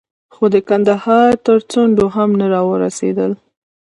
خو د کندهار تر څنډو هم نه را ورسېدل.